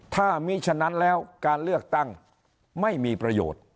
ถ้ามีฉะนั้นแล้วการเลือกตั้งไม่มีประโยชน์